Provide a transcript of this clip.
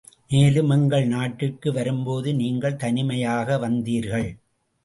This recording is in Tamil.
மேலும் எங்கள் நாட்டிற்கு வரும்போது நீங்கள் தனிமையாக வந்தீர்கள்.